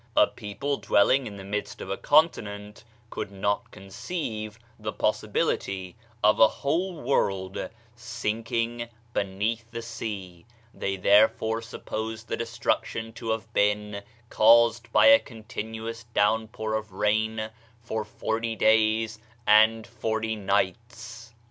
A people dwelling in the midst of a continent could not conceive the possibility of a whole world sinking beneath the sea; they therefore supposed the destruction to have been caused by a continuous down pour of rain for forty days and forty nights.